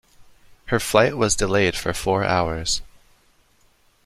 Her flight was delayed for four hours.